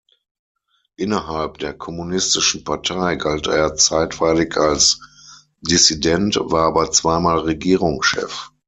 Innerhalb der kommunistischen Partei galt er zeitweilig als Dissident, war aber zweimal Regierungschef.